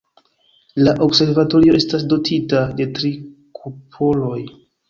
La observatorio estas dotita de tri kupoloj.